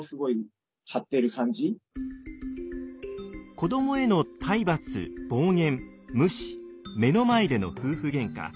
子どもへの体罰暴言無視目の前での夫婦げんか。